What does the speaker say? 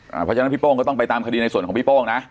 เพราะฉะนั้นพี่โป้งก็ต้องไปตามคดีในส่วนของพี่โป้งนะ